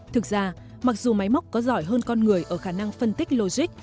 thực ra mặc dù máy móc có giỏi hơn con người ở khả năng phân tích logic